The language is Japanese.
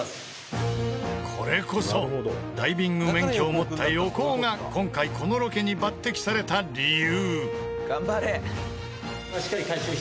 これこそダイビング免許を持った横尾が今回このロケに抜擢された理由。